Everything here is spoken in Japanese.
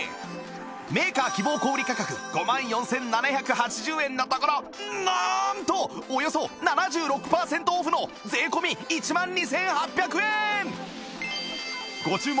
メーカー希望小売価格５万４７８０円のところなーんとおよそ７６パーセントオフの税込１万２８００円